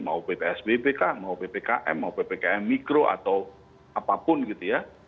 mau psbb kah mau ppkm mau ppkm mikro atau apapun gitu ya